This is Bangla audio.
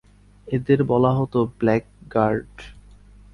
এদেরকে বলা হতো ‘ব্ল্যাক গার্ড’।